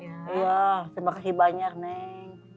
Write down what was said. iya terima kasih banyak neng